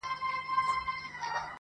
لـكــه دی لـــونــــــگ.